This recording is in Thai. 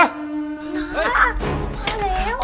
น้ามาแล้ว